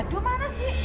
aduh mana sih